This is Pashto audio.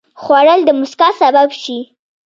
خوړل د مسکا سبب شي